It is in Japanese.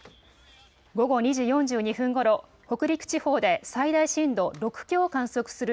午後２時４２分ごろ北陸地方で最大震度６強を観測する